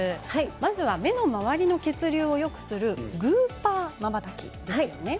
まずは目の周りの血流をよくするグーパーまばたきですね。